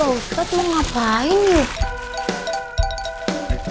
pak ustadz mau ngapain yuk